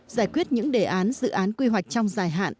giải quyết những đề án dự án quy hoạch trong dài hạn